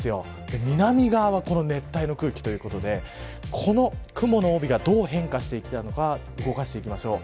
南側は熱帯の空気ということでこの雲の帯がどう変化してきたのか動かしていきましょう。